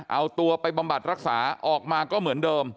เอาตัวไปบำบัดรักษาออกมาก็เหมือนเดิม